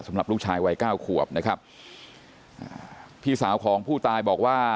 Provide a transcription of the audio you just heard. สำหรับลูกชายวัยเก้าขวบนะครับอ่าพี่สาวของผู้ตายบอกว่า